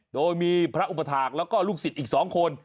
โดยมีพระอุปถาคแล้วก็ลูกศิษย์อีก๒คน